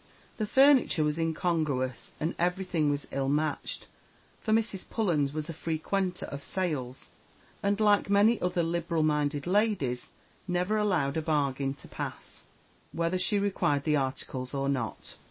The furniture was incongruous, and everything was ill matched for Mrs. Pullens was a frequenter of sales, and, like many other liberal minded ladies, never allowed a bargain to pass, whether she required the articles or not.